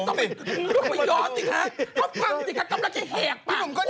ลูกมันย้อนสิคะเค้าฟังสิคะกำลังจะแหกปาก